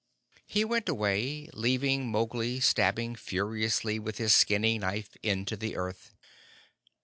He went away, leaving Mowgli stabbing furiously with his skinning knife into the earth.